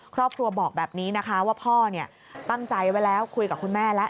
ครอบครัวบอกแบบนี้นะคะว่าพ่อตั้งใจไว้แล้วคุยกับคุณแม่แล้ว